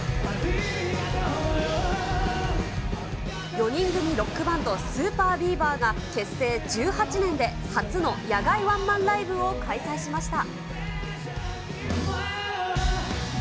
４人組ロックバンド、ＳＵＰＥＲＢＥＡＶＥＲが結成１８年で初の野外ワンマンライブを開催しました。